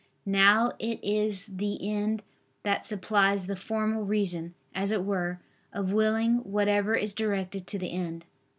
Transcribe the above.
Now it is the end that supplies the formal reason, as it were, of willing whatever is directed to the end.